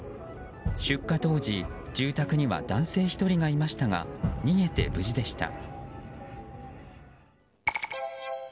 出火当時住宅には男性１人がいましたが逃げて無事でした。